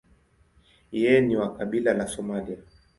Yeye ni wa kabila la Somalia.